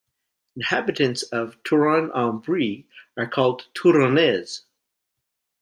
Inhabitants of Tournan-en-Brie are called "Tournanais".